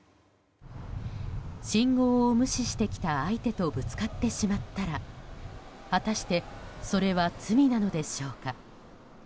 信号を無視してきた相手とぶつかってしまったら果たしてそれは罪なのでしょうか。